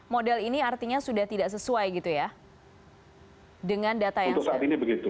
model ini artinya sudah tidak sesuai dengan data yang sudah ada